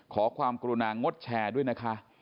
ขอความกรุณางดแชร์ด้วยนะคะ